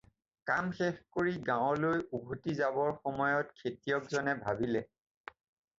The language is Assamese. কাম শেষ কৰি গাওঁলৈ উলটি যাবৰ সময়ত খেতিয়ক জনে ভাবিলে